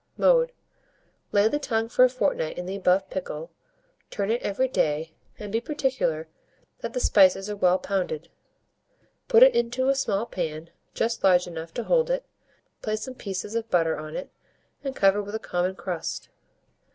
Mode. Lay the tongue for a fortnight in the above pickle, turn it every day, and be particular that the spices are well pounded; put it into a small pan just large enough to hold it, place some pieces of butter on it, and cover with a common crust.